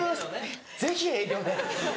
ぜひ営業で。